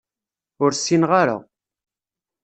Ur ssineɣ ara.